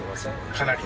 かなり。